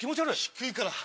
低いから。